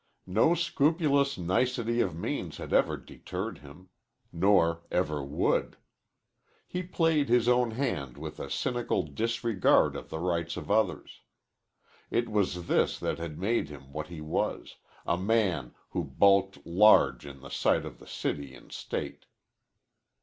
No scrupulous nicety of means had ever deterred him. Nor ever would. He played his own hand with a cynical disregard of the rights of others. It was this that had made him what he was, a man who bulked large in the sight of the city and state.